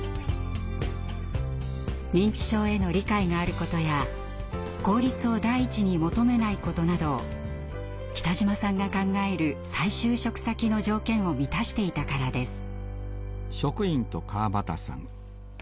認知症への理解があることや効率を第一に求めないことなど来島さんが考える再就職先の条件を満たしていたからです。